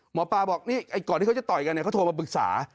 หมอปลาบอกนี่ก่อนที่เขาจะต่อยกันเนี่ยเขาโทรมาปรึกษา